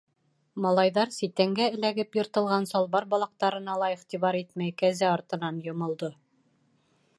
Малайҙар, ситәнгә эләгеп йыртылған салбар балаҡтарына ла иғтибар итмәй, кәзә артынан йомолдо.